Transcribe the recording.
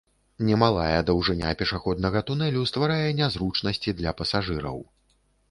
Немалая даўжыня пешаходнага тунэлю стварае нязручнасці для пасажыраў.